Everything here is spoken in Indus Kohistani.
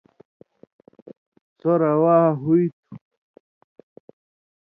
سو روا ہُوئ تھُو۔